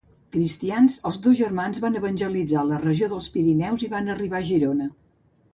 Cristians, els dos germans van evangelitzar la regió dels Pirineus i van arribar a Girona.